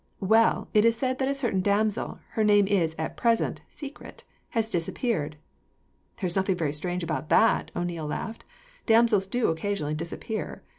"Well, it is said that a certain damsel her name is, at present, a secret has disappeared." "There is nothing very strange about that," O'Neil laughed. "Damsels do occasionally disappear.